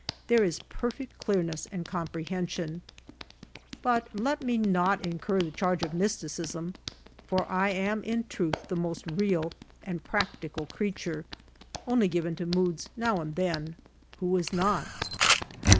There is perfect clearness and comprehension. But let me not incur the charge of mysticism, foi I am in truth the most real and practical creature, only given to moods now and then. Who is not?